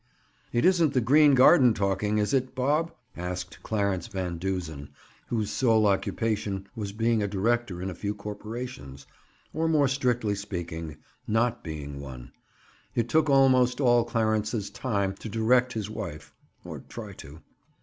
"It isn't the green garden talking, is it, Bob?" asked Clarence Van Duzen whose sole occupation was being a director in a few corporations—or, more strictly speaking, not being one. It took almost all Clarence's time to "direct" his wife, or try to.